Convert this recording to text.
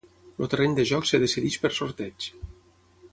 El terreny de joc es decideix per sorteig.